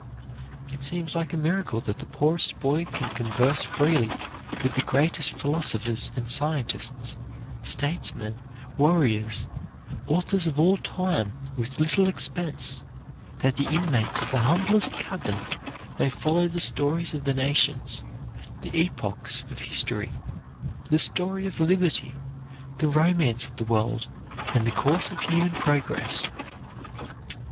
It seems like a miracle that the poorest boy can converse freely with the greatest philosophers and scientists, statesmen, warriors, authors of all time with little expense, that the inmates of the humblest cabin may follow the stories of the nations, the epochs of history, the story of liberty, the romance of the world, and the course of human progress.